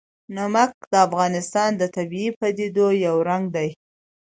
نمک د افغانستان د طبیعي پدیدو یو رنګ دی.